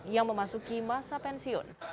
yang memasuki masa pensiun